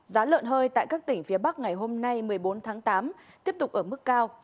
giá lợn hơi tại các tỉnh phía bắc ngày hôm nay một mươi bốn tháng tám tiếp tục ở mức cao